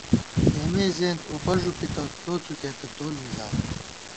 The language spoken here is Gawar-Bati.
اېمے زَیَنت اُوپہ ݫُپِتہ ، تو څُوکېتہ تول مِزان